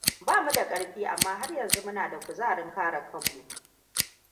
Bamu da karfi amma har yanzu muna da kuzarin kare kanmu.